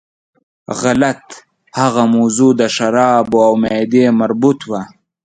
غلط، هغه موضوع د شرابو او معدې مربوط وه.